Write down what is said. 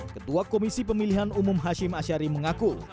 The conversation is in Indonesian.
ketua komisi pemilihan umum hashim ashari mengaku